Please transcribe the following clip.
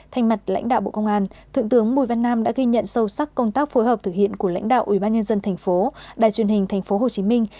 thành mặt lãnh đạo bộ công an thượng tướng bùi văn nam đã ghi nhận sâu sắc công tác phối hợp thực hiện của lãnh đạo ubnd tp đài truyền hình tp hcm